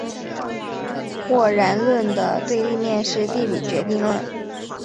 或然论的对立面是地理决定论。